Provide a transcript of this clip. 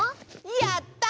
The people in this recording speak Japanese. やった！